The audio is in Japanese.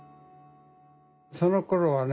そのころはね